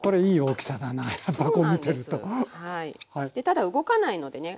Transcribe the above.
ただ動かないのでね